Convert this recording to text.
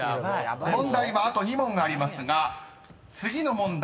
［問題はあと２問ありますが次の問題